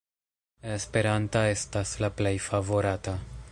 Esperanta estas la plej favorata.